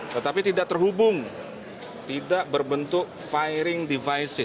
tetapi tidak terhubung tidak berbentuk firing devices